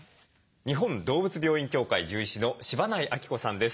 日本動物病院協会獣医師の柴内晶子さんです。